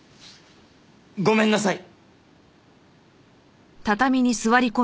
ごめんなさい！